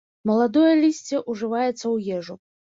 Маладое лісце ўжываецца ў ежу.